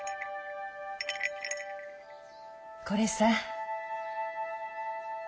これさ。